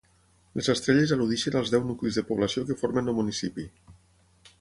Les estrelles al·ludeixen als deu nuclis de població que formen el municipi.